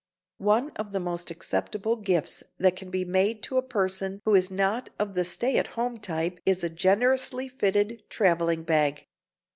One of the most acceptable gifts that can be made to a person who is not of the stay at home type is a generously fitted traveling bag.